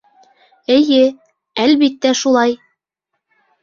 Эйе, әлбиттә шулай...